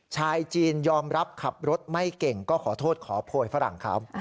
ชายจีนยอมรับขับรถไม่เก่งก็ขอโทษขอโพยฝรั่งเขา